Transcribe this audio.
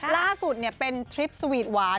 ล่าสุดเป็นทริปสวีทหวาน